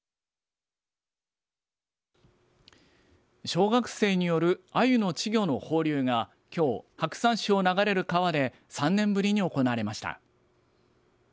小学生によるあゆの稚魚の放流がきょうを白山市を流れる川で３年ぶりに行われました。